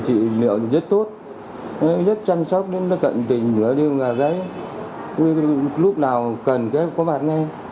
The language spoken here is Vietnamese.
chịu liệu rất tốt rất chăm sóc rất cận tình lúc nào cần có bản nghe